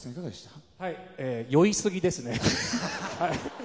酔いすぎですね。